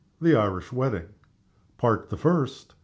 THE IRISH MARRIAGE. Part the First.